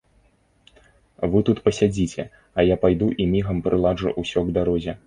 Вы тут пасядзіце, а я пайду і мігам прыладжу ўсё к дарозе.